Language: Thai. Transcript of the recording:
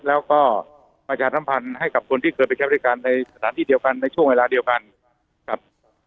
แล้วก็ประชาสัมพันธ์ให้กับคนที่เคยไปใช้บริการในสถานที่เดียวกันในช่วงเวลาเดียวกันครับ